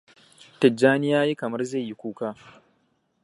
Tijjani yayi kamar zaiyi kuka.